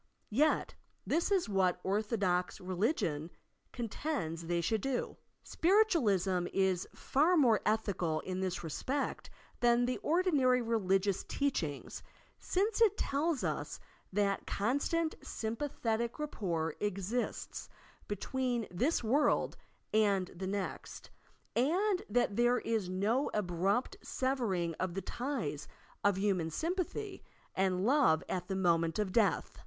Yet, this is what ortho dox religion contends they should do ! Spiritualism is far more ethical in this respect than the ordinary re ligious teachings, since it tella us that constant, sympa thetic rapport exists between this world and the next, and that there is no abrupt severing of the ties of human sympathy and love at the moment of death.